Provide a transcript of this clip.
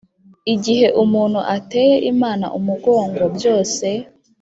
igiheu muntu ateye imana umugongo, byose